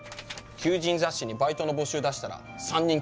求人雑誌にバイトの募集出したら３人来ててね。